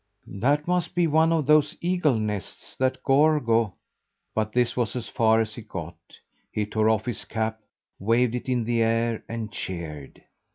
"That must be one of those eagle nests that Gorgo " But this was as far as he got. He tore off his cap, waved it in the air, and cheered.